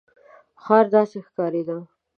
ښار داسې ښکارېده.